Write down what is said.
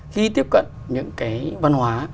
khi tiếp cận những cái văn hóa